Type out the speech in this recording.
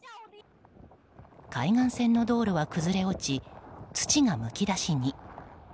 海岸線の道路は崩れ落ち土がむき出しに。